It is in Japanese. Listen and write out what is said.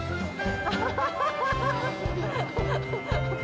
アハハハハ。